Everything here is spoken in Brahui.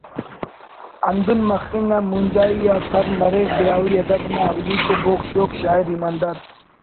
ہندن مخنگ آن مونجائی آ سر مریک براہوئی ادب نا اولیکو بوگ شوگ شاعر ایماندار